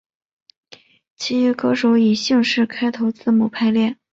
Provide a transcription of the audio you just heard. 其余歌手以姓氏开头字母排列。